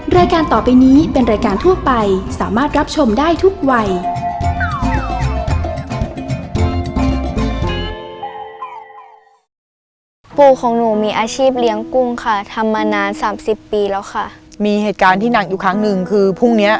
รายการต่อไปนี้เป็นรายการทั่วไปสามารถรับชมได้ทุกวัย